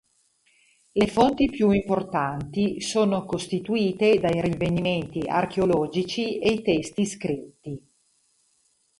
Le fonti più importanti sono costituite dai rinvenimenti archeologici e i testi scritti.